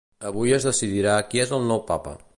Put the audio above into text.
Avui es decidirà qui és el nou Papa.